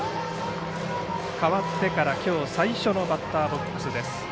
代わってからきょう最初のバッターボックスです。